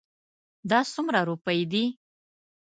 دا څومره روپی دي؟